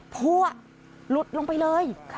พั่วหลุดลงไปเลย